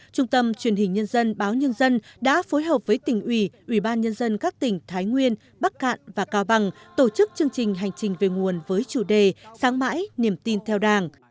trung tâm truyền hình nhân dân báo nhân dân đã phối hợp với tỉnh ủy ủy ban nhân dân các tỉnh thái nguyên bắc cạn và cao bằng tổ chức chương trình hành trình về nguồn với chủ đề sáng mãi niềm tin theo đảng